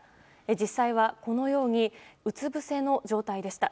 実際は、このようにうつぶせの状態でした。